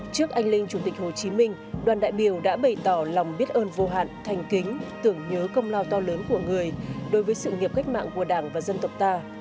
trước anh linh chủ tịch hồ chí minh đoàn đại biểu đã bày tỏ lòng biết ơn vô hạn thành kính tưởng nhớ công lao to lớn của người đối với sự nghiệp cách mạng của đảng và dân tộc ta